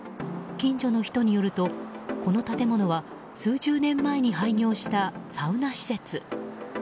近所の人によると、この建物は数十年前に廃業したサウナ施設。